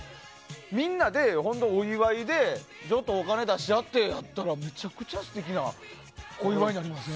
みんなでお祝いでお金出し合ってってやったらめちゃくちゃ素敵なお祝いになりません？